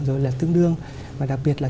rồi là tương đương và đặc biệt là